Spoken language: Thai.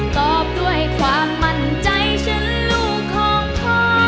ตอบด้วยความมั่นใจฉันลูกของพ่อ